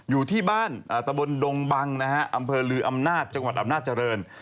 อยู่ที่บ้านตะบนดงบังนะฮะอำเภอลืออำนาจจังหวัดอำนาจริง